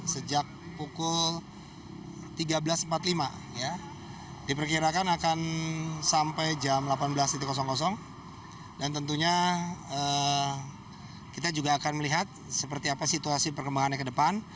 sejak pukul tiga belas empat puluh lima diperkirakan akan sampai jam delapan belas dan tentunya kita juga akan melihat seperti apa situasi perkembangannya ke depan